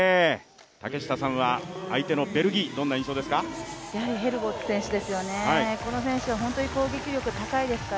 竹下さんは相手のベルギー、どんな印象ですか？